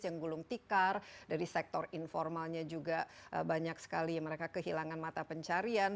yang gulung tikar dari sektor informalnya juga banyak sekali mereka kehilangan mata pencarian